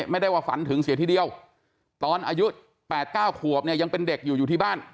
ไม่ได้ว่าฝันถึงเสียทีเดียวตอนอายุ๘๙ขวบเนี่ยยังเป็นเด็กอยู่อยู่ที่บ้าน